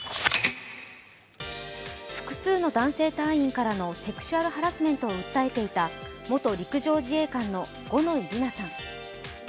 複数の男性隊員からのセクシュアルハラスメントを訴えていた元陸上自衛官の五ノ井里奈さん。